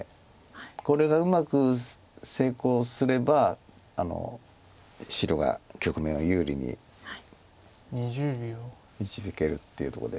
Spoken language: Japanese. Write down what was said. これがうまく成功すれば白が局面を有利に導けるっていうとこで。